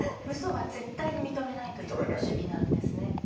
うそは絶対に認めないという主義なんですね。